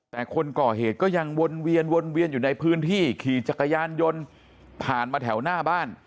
แต่คนก่อเหตุก็ยังวนเวียนวนเวียนอยู่ในพื้นที่ขี่จักรยานยนต์ผ่านมาแถวหน้าบ้าน